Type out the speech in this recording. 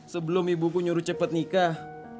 sebelum ibuku nyuruh cepat nikah